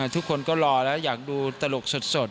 ทุกคนก็รอแล้วอยากดูตลกสด